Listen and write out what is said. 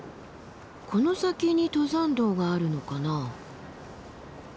この先に登山道があるのかな。